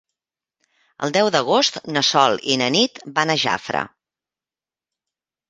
El deu d'agost na Sol i na Nit van a Jafre.